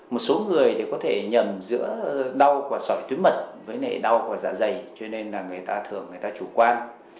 một số người thì có thể nhầm giữa đau của sỏi túi mật với nệ đau của dạ dày cho nên là người ta thường người ta chủ quan